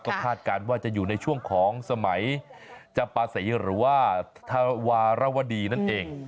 ก็คาดการณ์ว่าจะอยู่ในช่วงของสมัยจำปาศรีหรือว่าธวารวดีนั่นเอง